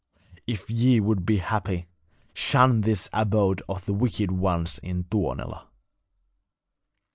If ye would be happy, shun this abode of the wicked ones in Tuonela.'